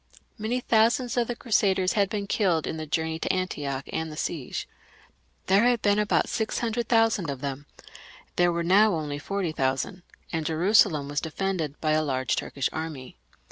Many thousands of the Crusaders had been killed in the journey to Antioch and the siege. There had been about six hundred thousand of them; there were now only forty thousand, and Jerusalem was defended by a large Turkish army.